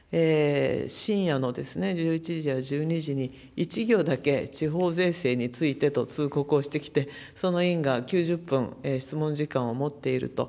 深夜の１１時や１２時に、１行だけ、地方税制についてと通告をしてきて、その委員が９０分質問時間を持っていると。